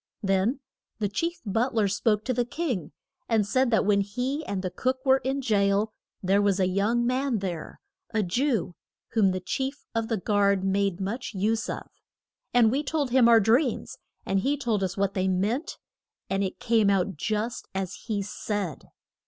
Then the chief but ler spoke to the king, and said that when he and the cook were in jail, there was a young man there, a Jew, whom the chief of the guard made much use of. And we told him our dreams, and he told us what they meant. And it came out just as he said.